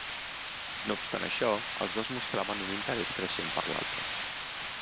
No obstant això, els dos mostraven un interès creixent per l'altre.